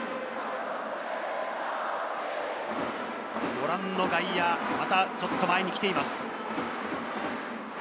ご覧の外野、またちょっと前に来ています。